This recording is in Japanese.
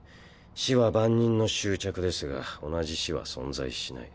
死は万人の終着ですが同じ死は存在しない。